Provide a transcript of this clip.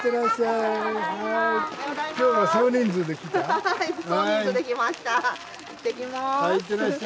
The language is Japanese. いってきます。